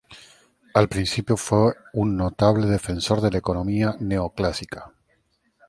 Al principio fue un notable defensor de la economía neoclásica.